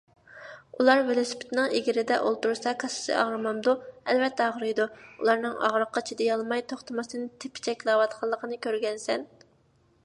_ ئۇلار ۋېلىسىپىتنىڭ ئېگىرىدە ئولتۇرسا كاسسىسى ئاغرىمامدۇ؟ _ ئەلۋەتتە ئاغرىيدۇ، ئۇلارنىڭ ئاغرىققا چىدىيالماي توختىماستىن تېپىچەكلەۋاتقانلىقىنى كۆرگەنىسەن.